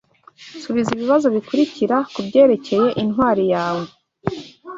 subiza ibibazo bikurikira kubyerekeye intwari yawe: